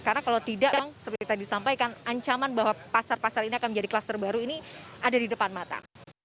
karena kalau tidak memang seperti tadi disampaikan ancaman bahwa pasar pasar ini akan menjadi kluster baru ini ada di depan mata